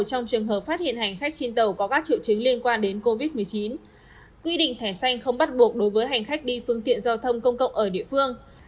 trong trường hợp phát hiện hành khách trên tàu có các triệu chứng liên quan đến covid một mươi chín quy định thẻ xanh không bắt buộc đối với hành khách đi phương tiện giao thông công cộng ở địa phương